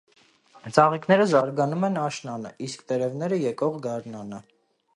Ծաղիկները զարգանում են աշնանը, իսկ տերևները՝ եկող գարնանը։